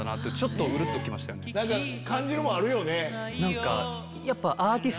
何か感じるものあるよね。